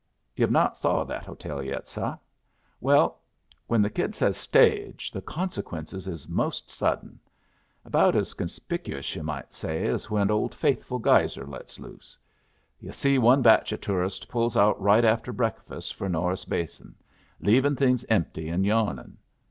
"Yu've not saw that hotel yet, seh? Well, when the kid says 'Stage,' the consequences is most sudden. About as conspicuous, yu' may say, as when Old Faithful Geyser lets loose. Yu' see, one batch o' tourists pulls out right after breakfast for Norris Basin, leavin' things empty and yawnin'.